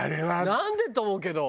なんで？と思うけど。